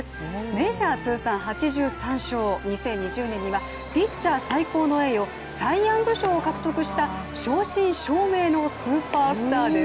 メジャー通算８３勝、２０２０年にはピッチャー最高の栄誉、サイ・ヤング賞を獲得した正真正銘のスーパースターです。